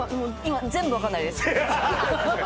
今全部わかんないです。